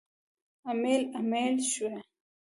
امیل، امیل شوی